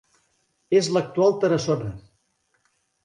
És l'actual Tarassona.